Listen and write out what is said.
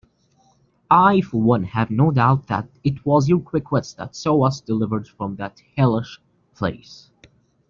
I for one have no doubt that it was your quick wits that saw us delivered from that hellish place.